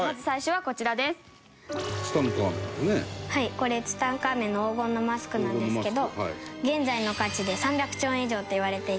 これツタンカーメンの黄金のマスクなんですけど現在の価値で３００兆円以上といわれていて。